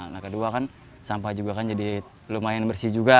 nah kedua kan sampah juga kan jadi lumayan bersih juga